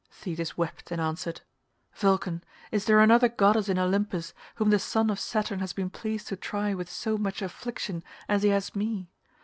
Thetis wept and answered, "Vulcan, is there another goddess in Olympus whom the son of Saturn has been pleased to try with so much affliction as he has me?